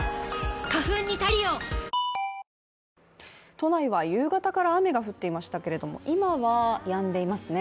都内は夕方から雨が降っていましたけれども今はやんでいますね。